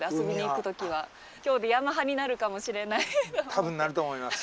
多分なると思います。